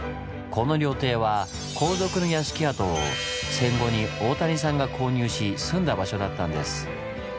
この料亭は皇族の屋敷跡を戦後に大谷さんが購入し住んだ場所だったんです。